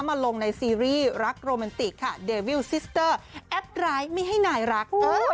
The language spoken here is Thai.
ลงในซีรีส์รักโรแมนติกค่ะเดวิลซิสเตอร์แอปร้ายไม่ให้นายรัก